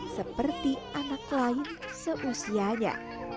seperti anak lain seusianya